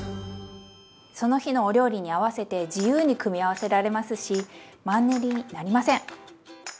その日のお料理に合わせて自由に組み合わせられますしマンネリになりません！